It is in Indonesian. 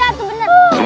iya tuh bener